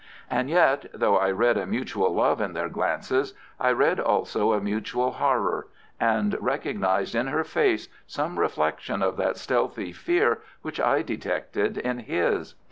And yet, though I read a mutual love in their glances, I read also a mutual horror, and recognized in her face some reflection of that stealthy fear which I detected in his.